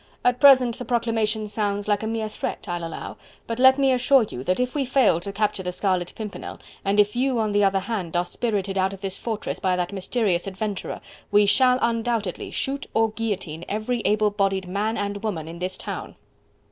At present the proclamation sounds like a mere threat, I'll allow, but let me assure you that if we fail to capture the Scarlet Pimpernel and if you on the other hand are spirited out of this fortress by that mysterious adventurer we shall undoubtedly shoot or guillotine every able bodied man and woman in this town."